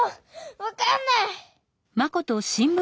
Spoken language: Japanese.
わかんない！